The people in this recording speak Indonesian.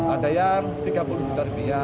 ada yang rp tiga puluh juta